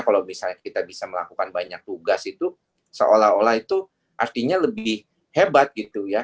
kalau misalnya kita bisa melakukan banyak tugas itu seolah olah itu artinya lebih hebat gitu ya